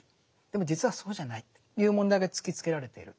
でも実はそうじゃないっていう問題が突きつけられている。